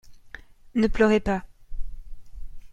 Ne pleurez pas.